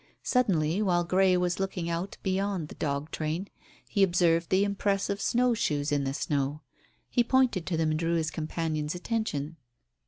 Suddenly, while Grey was looking out beyond the dog train, he observed the impress of snow shoes in the snow. He pointed to them and drew his companion's attention.